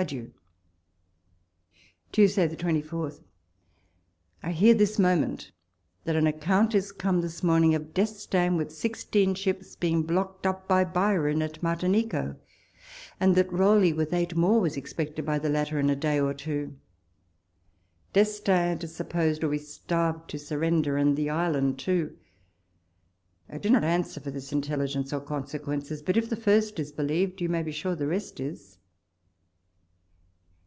Adieu 1 Tuesday, 2Ath. I hear this moment that an account is come this morning of D'Estaing with sixteen ships being blocked up by Byron at Martinico, and that Rowley with eight more was expected by the latter in a day or two. D'Estaing, it is supposed, will be starved to surrender, and the 170 WALPOLE S LETTERS. island too. I do not answer for this intelligence or consequences ; but, if the first is believed, you may be sure the rest is.